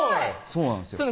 そうなんですよ